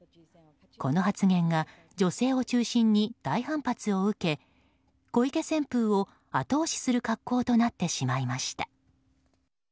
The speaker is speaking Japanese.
この発言が、女性を中心に大反発を受け小池旋風を後押しする格好となってしまいました。